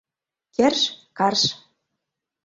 Керш — карш.